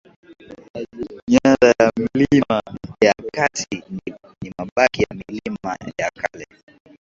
Nyanda ya milima ya kati ni mabaki ya milima ya kale